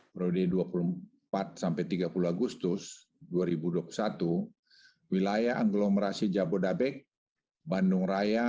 prioritas dua puluh empat sampai tiga puluh agustus dua ribu dua puluh satu wilayah agglomerasi jabodebek bandung raya